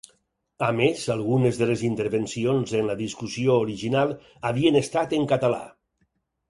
A més, algunes de les intervencions en la discussió original havien estat en català.